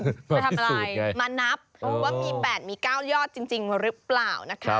มาทำอะไรมานับว่ามี๘มี๙ยอดจริงหรือเปล่านะคะ